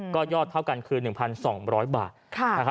ก็ยอดเท่ากันคือ๑๒๐๐บาท